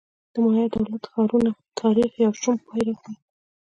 د مایا دولت ښارونو تاریخ یو شوم پای راښيي